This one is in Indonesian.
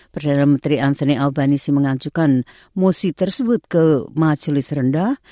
perdana menteri anthony albanisi mengajukan mosi tersebut ke majelis rendah